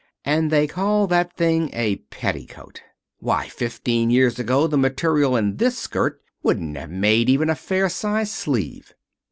"And they call that thing a petticoat! Why, fifteen years ago the material in this skirt wouldn't have made even a fair sized sleeve."